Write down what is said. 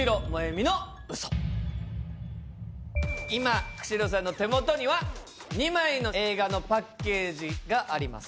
今久代さんの手元には２枚の映画のパッケージがあります。